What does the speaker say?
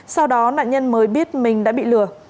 sau đó nạn nhân mới biết mình đã bị lừa